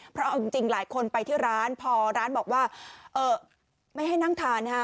เพราะจริงหลายคนไปที่ร้านพอร้านบอกว่าไม่ให้นั่งทาน